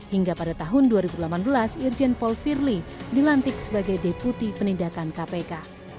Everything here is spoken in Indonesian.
hingga pada tahun dua ribu delapan belas irjen paul firly dilantik sebagai deputi penindakan kpk